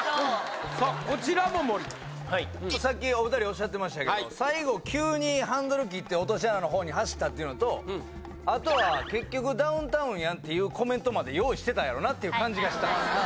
さっこちらも森田はいさっきお二人おっしゃってましたけど最後急にハンドル切って落とし穴のほうに走ったっていうのとあとは「結局ダウンタウンや」っていうコメントまで用意してたんやろなっていう感じがしたんす